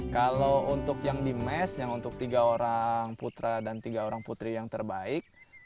kalau untuk yang di mes yang untuk tiga orang putra dan tiga orang putri yang terbaik